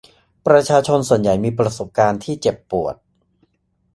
ประชาชนส่วนใหญ่มีประสบการณ์ที่เจ็บปวด